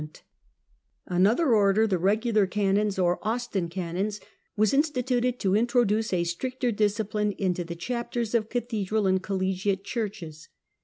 The Another Order, the Eegular Canons or Austin Canons, Canons^or was instituted to introduce a stricter discipline into the CanolTs chapters of cathedral and collegiate churches.